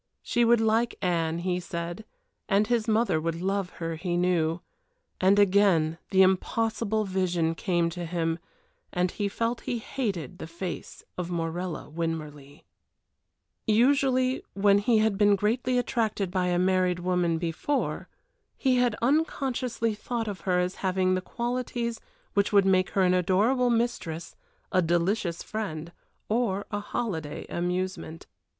She would like Anne, he said, and his mother would love her, he knew. And again the impossible vision same to him, and he felt he hated the face of Morella Winmarleigh. Usually when he had been greatly attracted by a married woman before, he had unconsciously thought of her as having the qualities which would make her an adorable mistress, a delicious friend, or a holiday amusement.